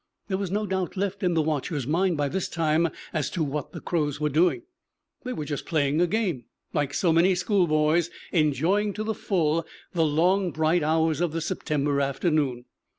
There was no doubt left in the watcher's mind by this time as to what the crows were doing. They were just playing a game, like so many schoolboys, enjoying to the full the long bright hours of the September afternoon.